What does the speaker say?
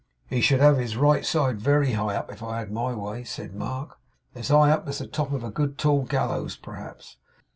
'He should have his right side very high up, if I had my way,' said Mark. 'As high up as the top of a good tall gallows, perhaps.